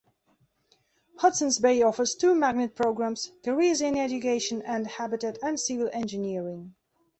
Hudson's Bay offers two magnet programs-Careers in Education, and Habitat and Civil Engineering.